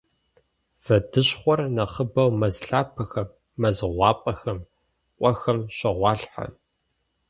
Вэдыщхъуэр нэхъыбэу мэз лъапэхэм, мэз гъуапӏэхэм, къуэхэм щогъуалъхьэ.